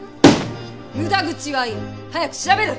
無駄口はいい！早く調べる！